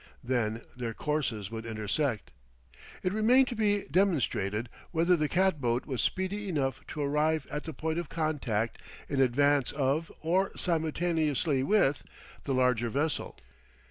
Then their courses would intersect. It remained to be demonstrated whether the cat boat was speedy enough to arrive at this point of contact in advance of, or simultaneously with, the larger vessel.